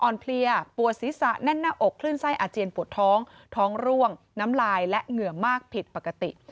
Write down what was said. เพลียปวดศีรษะแน่นหน้าอกคลื่นไส้อาเจียนปวดท้องท้องร่วงน้ำลายและเหงื่อมากผิดปกติ